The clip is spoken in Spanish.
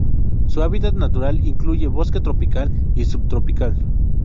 Su hábitat natural incluye bosque tropical y subtropical.